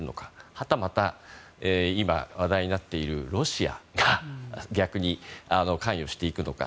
はたまた今、話題になっているロシアが逆に関与していくのか。